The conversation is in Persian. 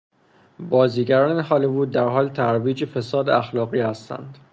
بازیگران هالیوود در حال ترویج فساد اخلاقی هستند